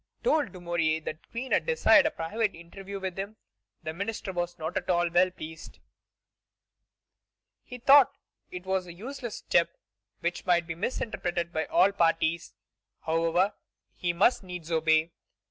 told Dumouriez that the Queen desired a private interview with him, the minister was not at all well pleased. He thought it a useless step which might be misinterpreted by all parties. However, he must needs obey.